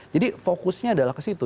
jadi fokusnya adalah ke situ